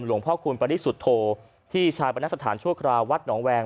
พ่อคุณปริสุทธโธที่ชาปนสถานชั่วคราววัดหนองแวง